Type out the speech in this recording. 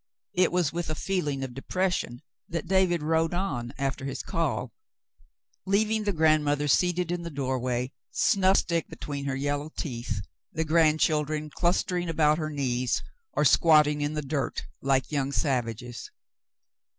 It was with a feeling of depression that David rode on after his call, leaving the grandmother seated in the doorway, snuff stick between her yellow teeth, the grandchildren clustering about her knees, or squatting in the dirt, like young savages.